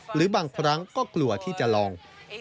หรือบางครั้งก็กลัวที่จะลอง